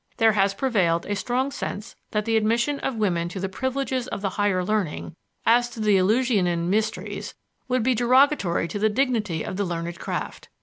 There has prevailed a strong sense that the admission of women to the privileges of the higher learning (as to the Eleusianin mysteries) would be derogatory to the dignity of the learned craft.